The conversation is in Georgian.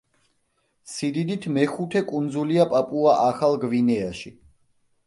სიდიდით მეხუთე კუნძულია პაპუა-ახალ გვინეაში.